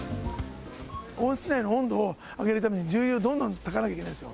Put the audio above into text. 温室内の温度を上げるために、重油をどんどんたかなきゃいけないんですよ。